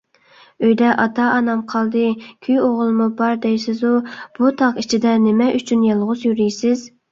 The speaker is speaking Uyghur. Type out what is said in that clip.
ئۆيدە ئاتا - ئانام قالدى، كۈيئوغۇلمۇ بار، دەيسىزۇ، بۇ تاغ ئىچىدە نېمە ئۈچۈن يالغۇز يۈرىسىز؟